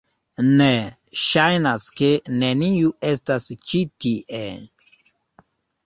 Ne, ŝajnas ke neniu estas ĉi tie.